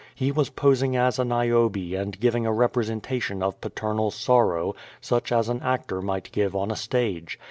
He was posing as a Niobe and giving a representation of paternal sorrow, such as an actor might give on a stage.